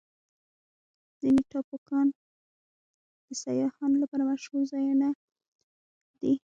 ځینې ټاپوګان د سیاحانو لپاره مشهوره ځایونه دي.